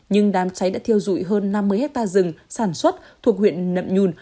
nhưng đám cháy đã thiêu dụi hơn năm mươi hectare rừng sản xuất thuộc huyện nậm nhùn